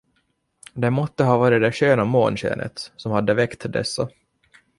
Det måtte ha varit det sköna månskenet, som hade väckt dessa.